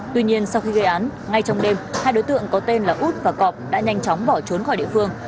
tuy nhiên sau khi gây án ngay trong đêm hai đối tượng có tên là út và cọp đã nhanh chóng bỏ trốn khỏi địa phương